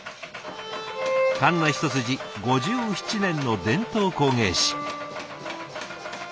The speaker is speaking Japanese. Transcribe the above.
かんな一筋５７年の伝統工芸士。